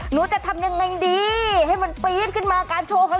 หนูจะทำยังไงดีให้มันปี๊ดขึ้นมาการโชว์ครั้งนี้